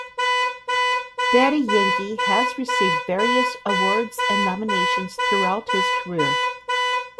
Daddy Yankee has received various awards and nominations throughout his career.